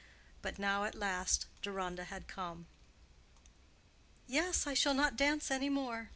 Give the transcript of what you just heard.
But now at last Deronda had come. "Yes; I shall not dance any more.